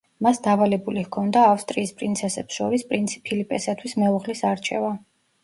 მას დავალებული ჰქონდა ავსტრიის პრინცესებს შორის პრინცი ფილიპესათვის მეუღლის არჩევა.